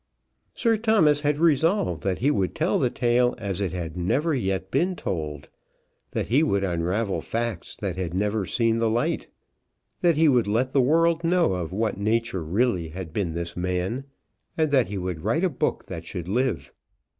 Sir Thomas had resolved that he would tell the tale as it had never yet been told, that he would unravel facts that had never seen the light, that he would let the world know of what nature really had been this man, and that he would write a book that should live.